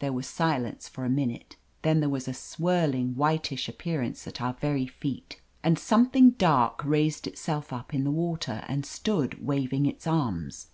There was silence for a minute; then there was a swirling whitish appearance at our very feet, and something dark raised itself up in the 301 THE AMAZING ADVENTURES water and stood waving its arms.